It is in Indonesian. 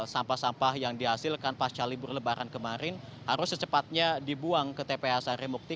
sampah sampah yang dihasilkan pasca libur lebaran kemarin harus secepatnya dibuang ke tpa sarimukti